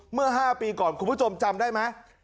เมื่อ๕ปีก่อนคุณผู้ชมจำได้ไหม